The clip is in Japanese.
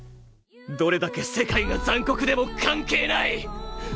どれだけ世界が残酷でも関係無い！